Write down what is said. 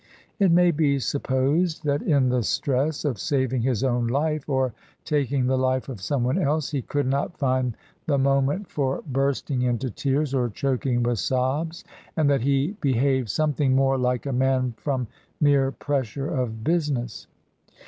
It may be supposed that in the stress of saving his own life or taking the life of some one else, he could not find the moment for burst Ii6 Digitized by VjOOQIC A HEROINE OF BULWER'S ing into tears, or choking with sobs; and that he be haved something more Uke a man from mere pressure of business.